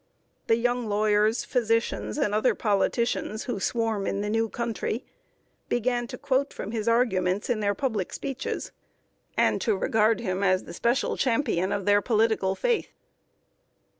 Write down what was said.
The young lawyers, physicians, and other politicians who swarm in the new country, began to quote from his arguments in their public speeches, and to regard him as the special champion of their political faith.